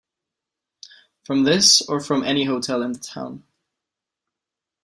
From this or from any hotel in the town?